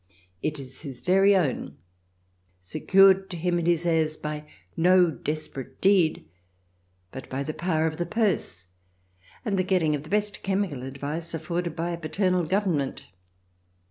It is his very own, secured to him and his heirs by no desperate deed, but by the power of the purse and the getting of the best chemical advice afforded by a paternal Government.